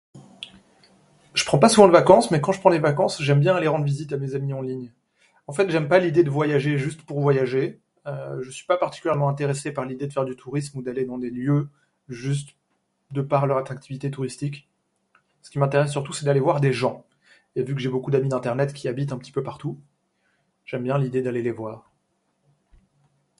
J'prends pas souvent de vacances mais, quand je prends des vacances, j'aime bien aller rendre visite à des amis en ligne. En fait, j'aime pas l'idée de voyager juste pour voyager. Heu, je suis pas particulièrement intéressé par l'idée de faire du tourisme ou d'aller dans des lieux juste de par leur attractivité touristique. Ce qui m'intéresse surtout c'est d'aller voir des gents. Et vu que j'ai beaucoup d'amis d'internet qui habitent un petit peu partout j'aime bien l'idée d'aller les voir.